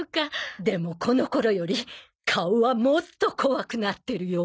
でもこの頃より顔はもっと怖くなってるような。